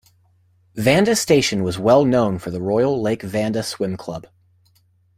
Vanda Station was well known for The Royal Lake Vanda Swim Club.